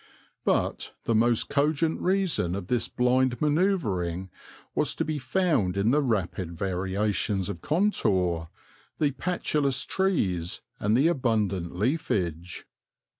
But the most cogent reason of this blind manoeuvring was to be found in the rapid variations of contour, the patulous trees, and the abundant leafage.